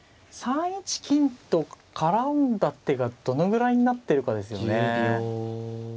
３一金と絡んだ手がどのぐらいになってるかですよね。